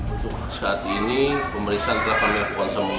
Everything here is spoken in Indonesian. untuk saat ini pemeriksaan terlalu berpengaruh